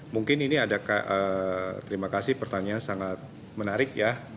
mungkin ini ada terima kasih pertanyaan sangat menarik ya